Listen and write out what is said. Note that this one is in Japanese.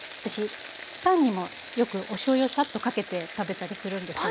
パンにもよくおしょうゆをサッとかけて食べたりするんですよ。